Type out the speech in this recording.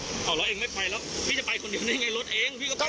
อ๋อรถเองไม่ไปหรอกพี่จะไปคนเดียวนี่ไงรถเอง